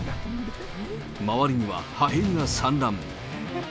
周りには破片が散乱。